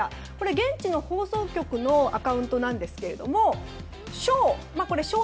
現地の放送局のアカウントなんですがショー。